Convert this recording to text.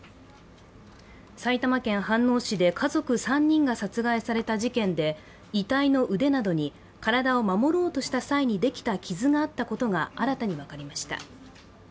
埼玉県飯能市で家族３人が殺害された事件で遺体の腕などに体を守ろうとした際にできた傷があったことが新たに分かりました。